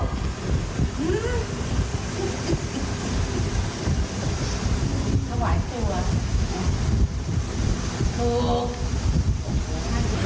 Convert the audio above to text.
หื้อถวายตัวถูก